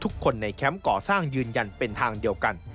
ทุกคนในแคมป์ก่อสร้างยืนยันเป็นทางเดียวกัน